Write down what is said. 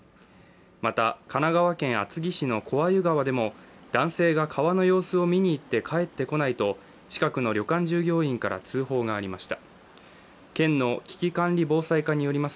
また、神奈川県厚木市の小鮎川でも男性が川の様子を見に行って帰ってこないと近くの旅館従業員から通報がありました。